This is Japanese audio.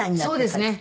そうですね。